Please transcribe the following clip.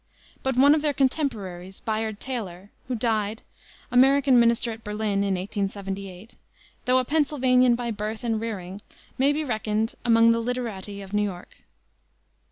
But one of their contemporaries, Bayard Taylor, who died, American Minister at Berlin, in 1878, though a Pennsylvanian by birth and rearing, may be reckoned among the "literati of New York."